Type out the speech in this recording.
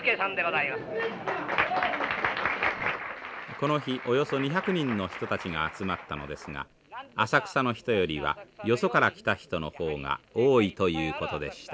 この日およそ２００人の人たちが集まったのですが浅草の人よりはよそから来た人の方が多いということでした。